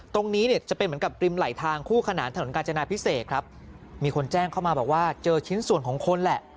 ตรงนี้เนี่ยจะเป็นเหมือนกับริมไหลทางคู่ขนานถนนกาญจนาพิเศษครับมีคนแจ้งเข้ามาบอกว่าเจอชิ้นส่วนของคนแหละ